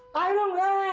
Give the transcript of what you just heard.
kayu dong ya